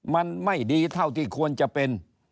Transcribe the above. มันไม่ดีเท่าที่ควรจะเป็น